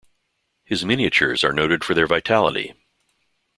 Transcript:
His miniatures are noted for their vitality.